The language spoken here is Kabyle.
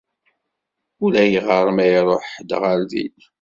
Ulayɣer ma iruḥ ḥedd ɣer din.